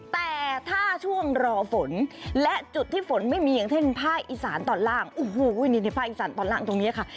แต่ถ้าช่วงรอฝนและจุดที่ฝนไม่มีอย่างเช่นภาคอีสานตอนล่างโอ้โหนี่ในภาคอีสานตอนล่างตรงนี้ค่ะ